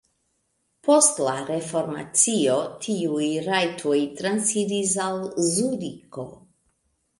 Post la reformacio tiuj rajtoj transiris al Zuriko.